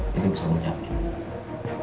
jadi bisa menjamin